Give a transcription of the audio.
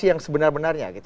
yang sebenar benarnya gitu